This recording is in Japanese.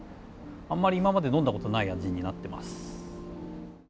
あんまり今まで飲んだことのない味になっています。